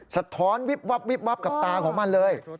สะท้อนวิบวับกับตาของมันเลย